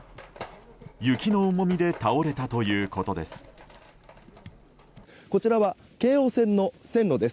雪の重みで倒れたということです。